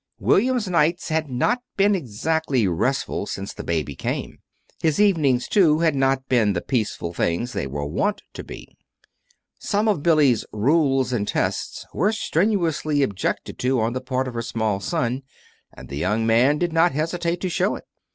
William's nights had not been exactly restful since the baby came. His evenings, too, had not been the peaceful things they were wont to be. Some of Billy's Rules and Tests were strenuously objected to on the part of her small son, and the young man did not hesitate to show it.